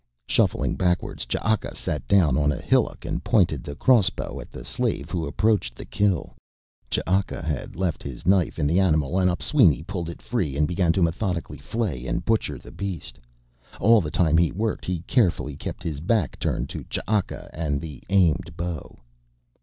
Shuffling backwards Ch'aka sat down on a hillock and pointed the crossbow at the slave who approached the kill. Ch'aka had left his knife in the animal and Opisweni pulled it free and began to methodically flay and butcher the beast. All the time he worked he carefully kept his back turned to Ch'aka and the aimed bow.